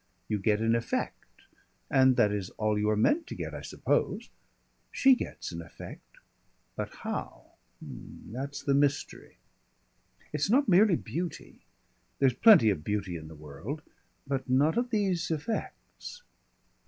You get an effect. And that is all you are meant to get, I suppose. She gets an effect. But how that's the mystery. It's not merely beauty. There's plenty of beauty in the world. But not of these effects.